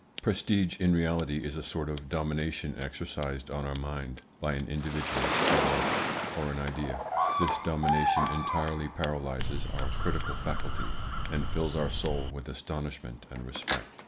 Prestige in reality is a sort of domination exercised on our mind by an individual, a work, or an idea. This domination entirely paralyses our critical faculty, and fills our soul with astonishment and respect.